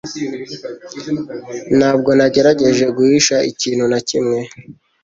Ntabwo nagerageje guhisha ikintu na kimwe